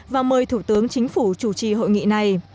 và mời thủ tướng chính phủ chủ trì hội nghị này